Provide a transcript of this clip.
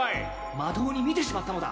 まともに見てしまったのだ